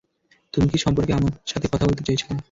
তুমি কী সম্পর্কে আমার সাথে কথা বলতে চেয়েছিলে?